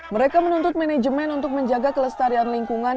mereka menuntut manajemen untuk menjaga kelestarian lingkungan